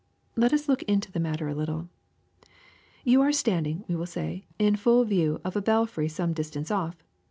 Let us look into the matter a little. You are standing, we will say, in full view of a belfry some distance off.